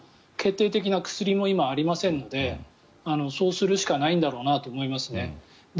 決定的な薬も今、ありませんのでそうするしかないんだろうと思いますね。